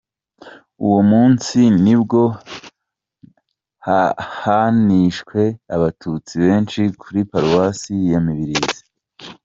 Uwo munsi ni bwo hanishwe Abatutsi benshi kuri Paruwasi ya Mibirizi.